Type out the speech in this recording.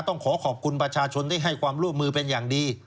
ต้องขอขอบคุณประชาชนที่ให้ความร่วมมือเป็นอย่างดี